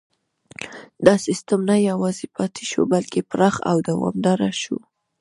دا سیستم نه یوازې پاتې شو بلکې پراخ او دوامداره شو.